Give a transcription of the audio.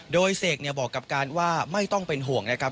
โดยเสกบอกกับการว่าไม่ต้องเป็นห่วงนะครับ